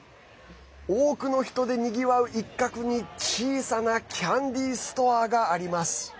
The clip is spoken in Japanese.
多くの人でにぎわう一角に小さなキャンデーストアがあります。